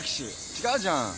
違うじゃん。